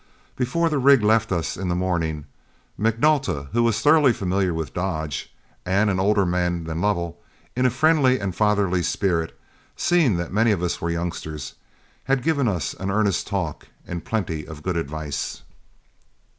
Before the rig left us in the morning, McNulta, who was thoroughly familiar with Dodge, and an older man than Lovell, in a friendly and fatherly spirit, seeing that many of us were youngsters, had given us an earnest talk and plenty of good advice.